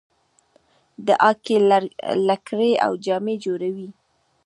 د هاکي لکړې او جامې جوړوي.